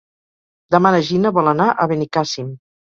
Demà na Gina vol anar a Benicàssim.